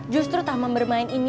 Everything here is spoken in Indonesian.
justru taman bermain ini